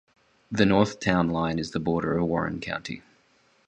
The north town line is the border of Warren County.